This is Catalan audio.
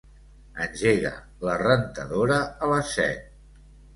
Engega la rentadora a les set.